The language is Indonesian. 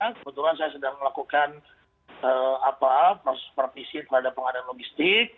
kebetulan saya sedang melakukan proses perpisi terhadap pengadaan logistik